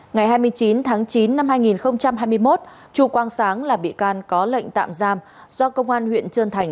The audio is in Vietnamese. ngày hai mươi chín tháng chín năm hai nghìn hai mươi một chu quang sáng là bị can có lệnh tạm giam do công an huyện trơn thành